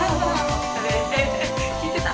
聞いてた？